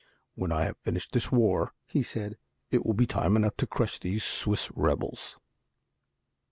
"When I have finished this war," he said, "it will be time enough to crush these Swiss rebels."